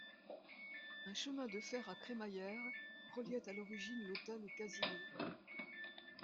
Un chemin de fer à crémaillère reliait à l'origine l'hôtel au Casino.